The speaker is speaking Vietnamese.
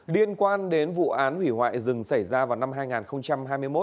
liên quan đến vụ án hủy hoại rừng xảy ra vào năm hai nghìn hai mươi một